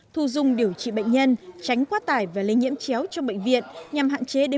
thu dung điều trị bệnh nhân tránh quá tải và lây nhiễm chéo trong bệnh viện nhằm hạn chế đến